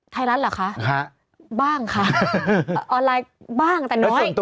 เหรอคะบ้างค่ะออนไลน์บ้างแต่น้อย